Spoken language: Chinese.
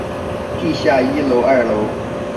地下一楼二楼